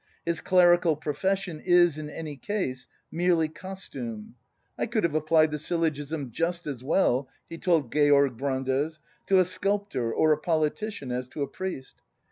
His clerical profession is, in any case, merely costume. "I could have applied the syllogism just as well," he told Georg Brandes, "to a sculptor, or a politician, as to a priest."